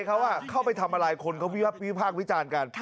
เขาเข้าไปทำอะไรคนเขาวิพากษ์วิจารณ์กัน